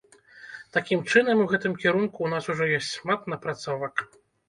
Такім чынам, у гэтым кірунку ў нас ужо ёсць шмат напрацовак.